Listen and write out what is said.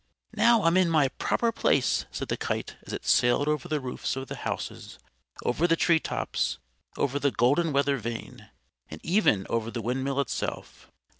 "Now I'm in my proper place," said the kite as it sailed over the roofs of the houses, over the tree tops, over the golden weather vane, and even over the windmill itself.